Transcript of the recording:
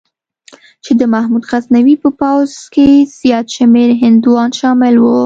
چې د محمود غزنوي په پوځ کې زیات شمېر هندوان شامل وو.